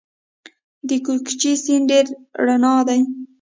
د کوکچې سیند ډیر رڼا دی